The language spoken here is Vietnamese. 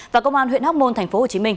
và công an huyện hóc môn tp hcm